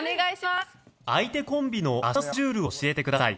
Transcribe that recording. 相手コンビの明日のスケジュールを教えてください